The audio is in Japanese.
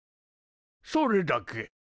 それだけ。